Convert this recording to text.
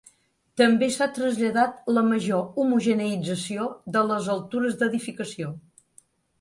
També s’ha traslladat la major homogeneïtzació de les altures d’edificació.